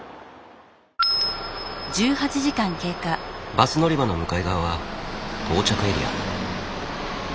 バス乗り場の向かい側は到着エリア。